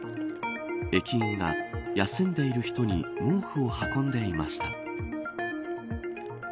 駅員が休んでいる人に毛布を運んでいました。